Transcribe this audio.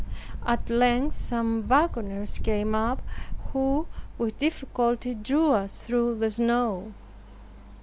At length some waggoners came up, who with difficulty drew us through the snow.